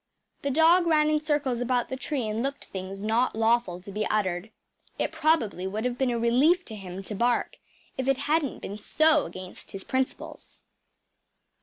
The dog ran in circles about the tree and looked things not lawful to be uttered. It probably would have been a relief to him to bark if it hadn’t been so against his principles.